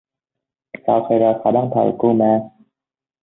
Sau khi rời khỏi bàn thờ của kuman